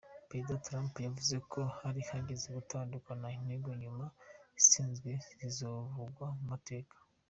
Perezida Trump yavuze ko hari hageze gutahukana inteko inyuma y'"intsinzi zizovugwa mu mateka".